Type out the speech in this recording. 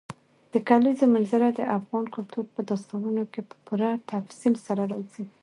د کلیزو منظره د افغان کلتور په داستانونو کې په پوره تفصیل سره راځي.